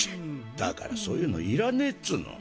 だからそういうのいらねっつの。